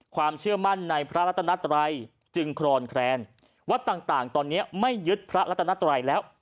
ความเชื่อมั่นในพระรัตนัตรัยจึงครอนแคลนวัดต่างตอนนี้ไม่ยึดพระรัตนัตรัยแล้ว